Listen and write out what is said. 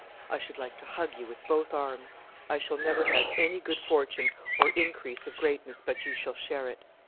I should like to hug you with both arms. I shall never have any good fortune or increase of greatness but you shall share it.